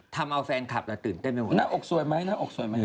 ทำเอาแฟนคลับแล้วตื่นเต้นไปหมดนั่งอกสวยไหมหน่อยมา